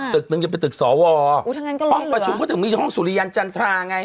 ตึกหนึ่งจะเป็นตึกสวห้องประชุมก็ถึงมีห้องสุริยันจันทราไง